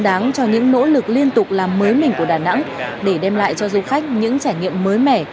đền đáp xứng đáng cho những nỗ lực liên tục làm mới mình của đà nẵng để đem lại cho du khách những trải nghiệm mới mẻ